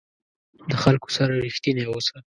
د خلکو سره رښتینی اوسه.